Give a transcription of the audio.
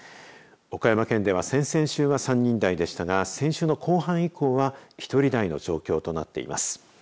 岡山県では先々週は３人台でしたが先週の後半以降は１人台の状況となっています。